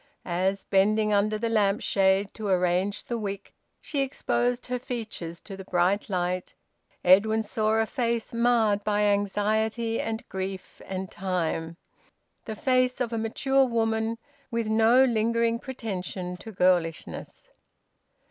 As, bending under the lamp shade to arrange the wick, she exposed her features to the bright light, Edwin saw a face marred by anxiety and grief and time, the face of a mature woman, with no lingering pretension to girlishness.